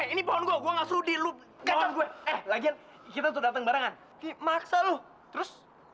ini pohon gue gue nggak suruh dilupai lagi kita sudah tembaran maksa lu terus